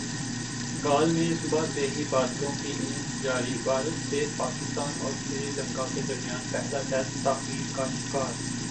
گال میں صبح سے ہی بادلوں کی اننگز جاری بارش سے پاکستان اور سری لنکا کے درمیان پہلا ٹیسٹ تاخیر کا شکار